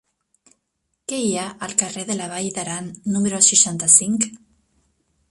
Què hi ha al carrer de la Vall d'Aran número seixanta-cinc?